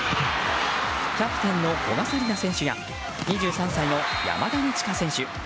キャプテンの古賀紗理那選手や２３歳の山田二千華選手